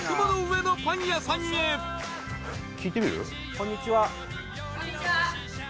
こんにちは。